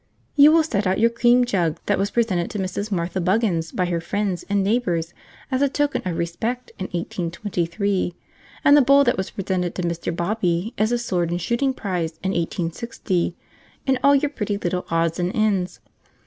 You will set out your cream jug that was presented to Mrs. Martha Buggins by her friends and neighbours as a token of respect in 1823, and the bowl that was presented to Mr. Bobby as a sword and shooting prize in 1860, and all your pretty little odds and ends.